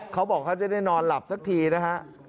เขาบอกเขาจะได้นอนหลับสักทีนะฮะ